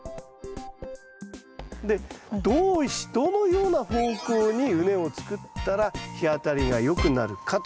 でどのような方向に畝を作ったら日当たりがよくなるかと。